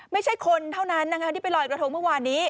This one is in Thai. ไม่ใช่คนเท่านั้นนะคะที่ไปลอยกระทงเมื่อวานนี้